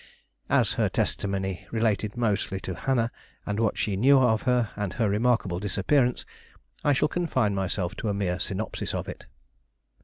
As her testimony related mostly to Hannah, and what she knew of her, and her remarkable disappearance, I shall confine myself to a mere synopsis of it.